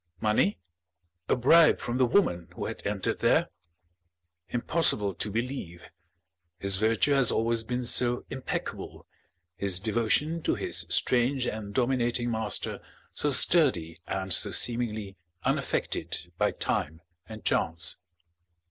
Money? A bribe from the woman who had entered there? Impossible to believe, his virtue has always been so impeccable, his devotion to his strange and dominating master so sturdy and so seemingly unaffected by time and chance!